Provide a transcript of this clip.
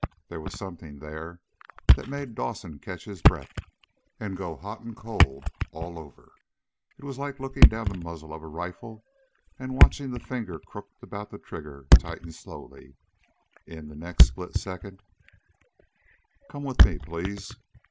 There was something there that made Dawson catch his breath, and go hot and cold all over. It was like looking down the muzzle of a rifle and watching the finger crooked about the trigger tighten slowly. In the next split second "Come with me, please!"